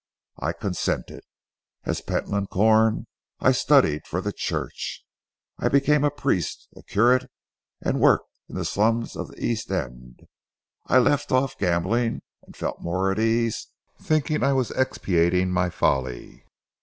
I consented. As Pentland Corn I studied for the church. I became a priest, a curate and worked in the slums of the East End. I left off gambling, and felt more at ease, thinking I was expiating my folly.